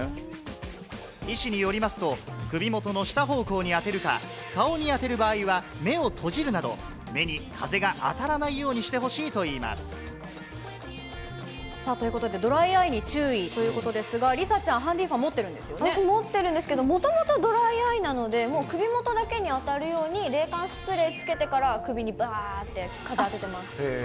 医師によりますと、首元の下方向に当てるか、顔に当てる場合は目を閉じるなど、目に風が当たらないようにしてほしいといいます。ということで、ドライアイに注意ということですが、梨紗ちゃん、ハンディファン、持ってるん私、持ってるんですけど、もともとドライアイなので、もう首元だけに当たるように、冷感スプレーつけてから首にばーっと風当ててます。